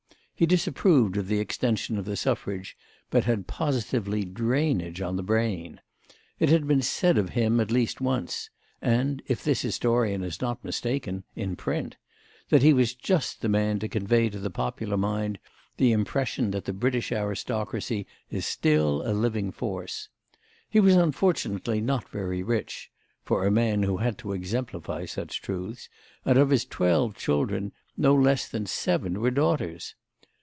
He disapproved of the extension of the suffrage but had positively drainage on the brain. It had been said of him at least once—and, if this historian is not mistaken, in print—that he was just the man to convey to the popular mind the impression that the British aristocracy is still a living force. He was unfortunately not very rich—for a man who had to exemplify such truths—and of his twelve children no less than seven were daughters.